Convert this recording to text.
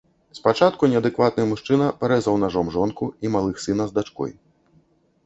Спачатку неадэкватны мужчына парэзаў нажом жонку і малых сына з дачкой.